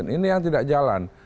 ini yang tidak jalan